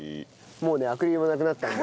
もうねアクリル板なくなったんで。